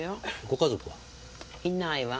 ご家族は？